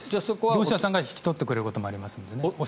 業者さんが引き取ってくれることもあります。